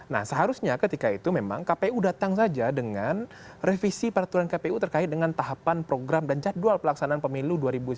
nah seharusnya ketika itu memang kpu datang saja dengan revisi peraturan kpu terkait dengan tahapan program dan jadwal pelaksanaan pemilu dua ribu sembilan belas